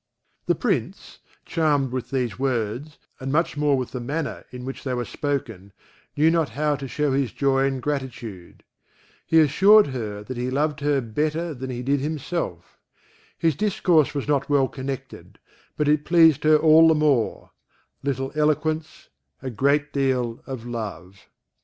The Prince, charmed with these words, and much more with the manner in which they were spoken, knew not how to shew his joy and gratitude; he assured her, that he loved her better than he did himself; his discourse was not well connected, but it pleased her all the more; little eloquence, a great deal of love.